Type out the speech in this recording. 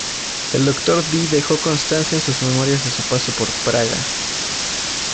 El doctor Dee dejó constancia en sus memorias de su paso por Praga.